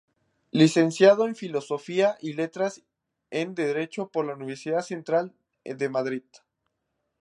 Licenciado en Filosofía y Letras y en Derecho por la Universidad Central de Madrid.